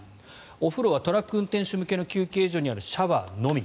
お風呂はトラック運転手向けの休憩所にあるシャワーのみ。